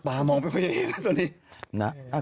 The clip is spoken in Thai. ตามองไปพออย่างนี้แล้วตอนนี้